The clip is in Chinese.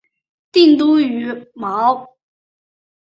定都于亳。